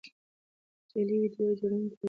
جعلي ویډیو جوړونکي وضوح کموي.